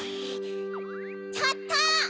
ちょっと！